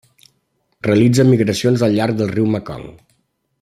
Realitza migracions al llarg del riu Mekong.